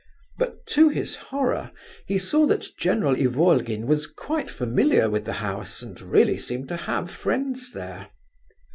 But to his horror he saw that General Ivolgin was quite familiar with the house, and really seemed to have friends there.